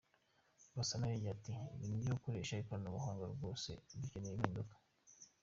Gasana yongeye ati “Ibintu byo gukoresha ikoranabuhanga, rwose dukeneye impinduka.